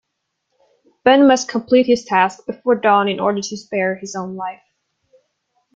Ben must complete this task before dawn in order to spare his own life.